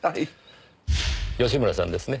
吉村さんですね？